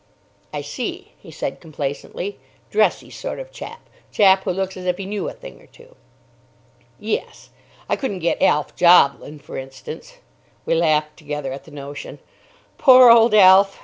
"I see," he said complacently. "Dressy sort of chap. Chap who looks as if he knew a thing or two." "Yes. I couldn't get Alf Joblin, for instance." We laughed together at the notion. "Poor old Alf!"